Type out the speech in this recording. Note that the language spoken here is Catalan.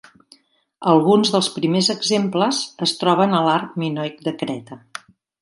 Alguns dels primers exemples es troben a l'art minoic de Creta.